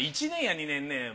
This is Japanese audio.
１年や２年ね